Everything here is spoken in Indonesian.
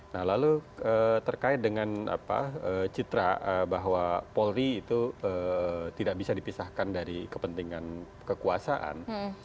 nah lalu terkait dengan citra bahwa polri itu tidak bisa dipisahkan dari kepentingan kekuasaan